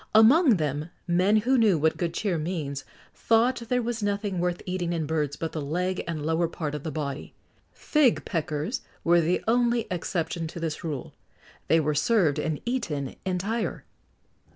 [XX 75] Among them, men who knew what good cheer means, thought there was nothing worth eating in birds but the leg and lower part of the body. Fig peckers were the only exception to this rule: they were served and eaten entire.